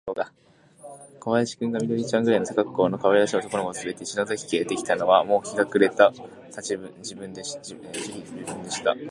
小林君が、緑ちゃんくらいの背かっこうのかわいらしい男の子をつれて、篠崎家へやってきたのは、もう日の暮れがた時分でした。